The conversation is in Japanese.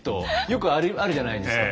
よくあるじゃないですか